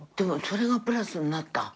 それがプラスになった？